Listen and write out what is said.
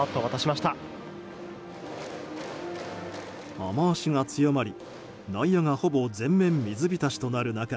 雨脚が強まり内野がほぼ全面水浸しとなる中